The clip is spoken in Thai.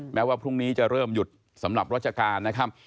แม้ว่าพรุ่งนี้จะเริ่มหยุดสำหรับราชการนะครับ